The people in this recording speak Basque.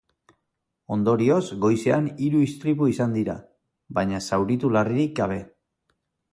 Ondorioz, goizean hiru istripu izan dira, baina zauritu larririk gabe.